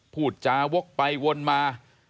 พูดจาวกไปวนมา